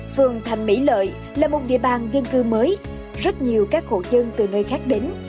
phường thành mỹ lợi là một địa bàn dân cư mới rất nhiều các hộ dân từ nơi khác đến